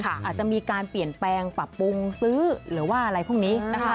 อาจจะมีการเปลี่ยนแปลงปรับปรุงซื้อหรือว่าอะไรพวกนี้นะคะ